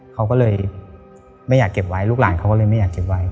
เขาก็เลยไม่อยากเก็บไว้ลูกหลานเขาก็เลยไม่อยากเก็บไว้